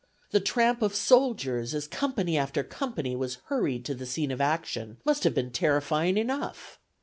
the tramp of soldiers, as company after company was hurried to the scene of action, must have been terrifying enough.